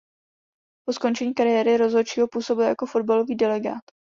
Po skončení kariéry rozhodčího působí jako fotbalový delegát.